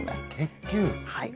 はい。